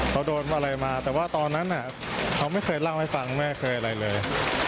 เค้าโดนอะไรมาเฉพาะตอนนั้นน่ะเค้าไม่เคยลากให้ฟังไม่เคยอะไรเลย